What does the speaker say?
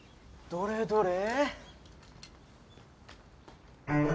どれどれ。